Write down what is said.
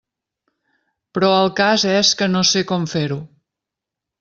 Però el cas és que no sé com fer-ho!